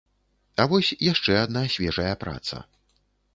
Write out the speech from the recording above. А вось яшчэ адна свежая праца.